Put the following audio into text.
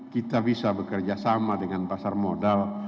kita bisa bekerja sama dengan pasar modal